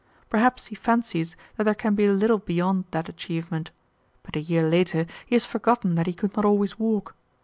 Perhaps he fancies that there can be little beyond that achievement, but a year later he has forgotten that he could not always walk.